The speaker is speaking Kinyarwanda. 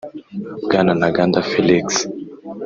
Bwana ntaganda felix